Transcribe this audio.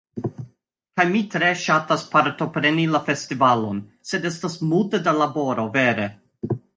Kaj mi tre ŝatas partopreni la festivalon sed estas multe da laboro vere.